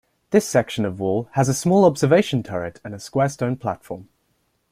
This section of wall has a small observation turret and a square stone platform.